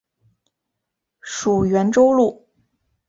属袁州路。